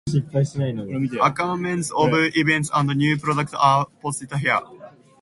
Announcements of events and new products are posted here.